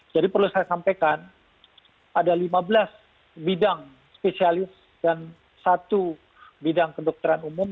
jadi perlu saya sampaikan ada lima belas bidang spesialis dan satu bidang kedokteran umum